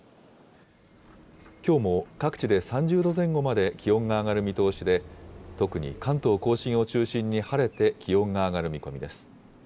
きょうも各地で３０度前後まで気温が上がる見通しで、特に関東甲信を中心に晴れて気温が上がる見込みです。